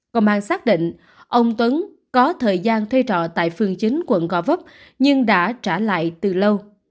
công an xác định ông tuấn có thời gian thuê trọ tại phường chín quận gò vấp nhưng đã trả lại từ lâu